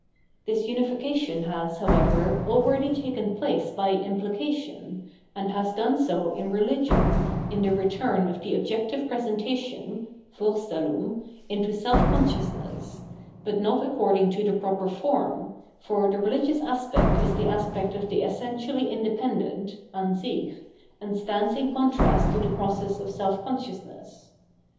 This unification has, however, already taken place by implication, and has done so in religion, in the return of the objective presentation (VorsteUung) into self con sciousness, but not according to the proper form, for the religious aspect is the aspect of the essentially indepen dent (Ansich) and stands in contrast to the process of self consciousness.